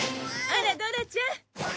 あらドラちゃん。